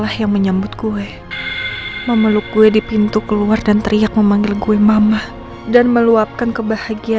hama bisa merasakan dunia luar lagi